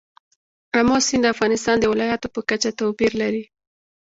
آمو سیند د افغانستان د ولایاتو په کچه توپیر لري.